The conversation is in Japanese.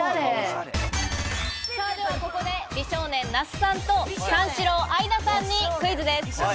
ではここで美少年・那須さんと、三四郎・相田さんにクイズです。